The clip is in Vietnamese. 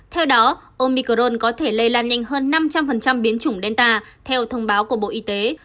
theo đó omicron có thể lây lan nhanh hơn năm trăm linh biến chủng delta theo thông báo của bộ y tế